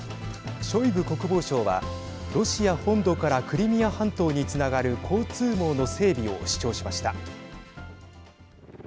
ショイグ国防相はロシア本土からクリミア半島につながる交通網の整備を主張しました。